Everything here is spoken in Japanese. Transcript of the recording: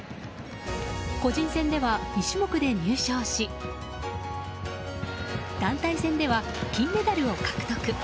個人戦では２種目で入賞し団体戦では金メダルを獲得。